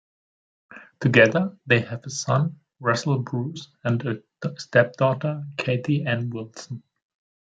Together they have a son, Russell Bruce, and a stepdaughter, Kathy Ann Wilson.